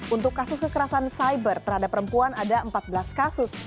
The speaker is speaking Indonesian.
untuk kasus kekerasan cyber terhadap perempuan ada empat belas kasus